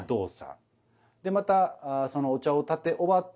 でまたそのお茶を点て終わった